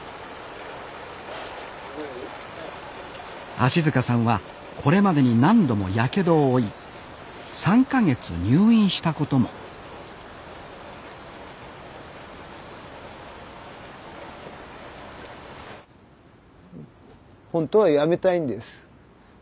芦さんはこれまでに何度もやけどを負い３か月入院したこともほんとはやめたいんです。